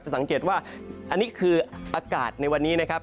สังเกตว่าอันนี้คืออากาศในวันนี้นะครับ